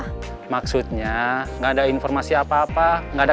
kewaspadaan bagian informasi tidak posisiana danolar atau